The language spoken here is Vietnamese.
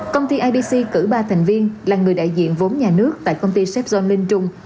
công ty idc cử ba thành viên là người đại diện vốn nhà nước tại công ty shbon linh trung